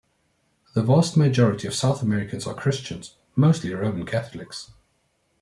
The vast majority of South Americans are Christians, mostly Roman Catholics.